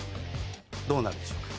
どうなるでしょうか？